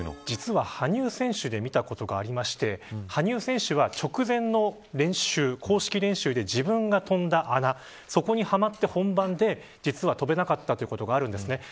実は、羽生選手で見たことがありまして羽生選手は直線の練習、公式練習で自分が跳んだ穴、そこにはまって本番で実は跳べなかったということがあるんですね。